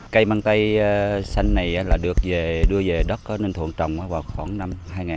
cây măng tây xanh này được đưa về đất ninh thuận trồng vào khoảng năm hai nghìn chín